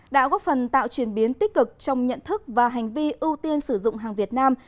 đã góp phần tạo chuyển biến tích cực trong nhận thức và hành vi ưu tiên sử dụng hàng việt nam